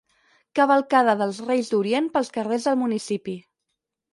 Cavalcada dels Reis d'Orient pels carrers del municipi.